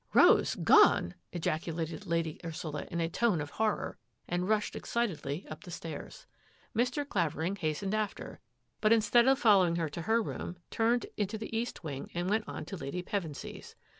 Rose gone !" ejaculated Lady Ursula in a tone of horror, and rushed excitedly up the stairs. Mr. Clavering hastened after, but instead of following her to her room, turned into the east wing and went on to Lady Pevensy's.